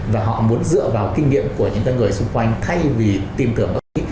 và họ muốn dựa vào kinh nghiệm của những người xung quanh thay vì tìm tưởng